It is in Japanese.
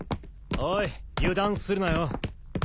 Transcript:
おい油断するなよ。